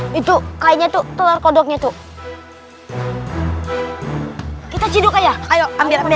hai itu kayaknya tuh telur kodoknya tuh kita ciduk ayo ambil ambil